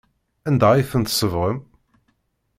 Anda ay tent-tsebɣem?